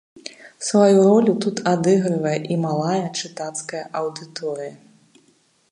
Сваю ролю тут адыгрывае і малая чытацкая аўдыторыя.